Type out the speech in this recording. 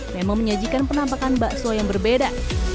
memang menyajikan penampakan bakso yang berbeda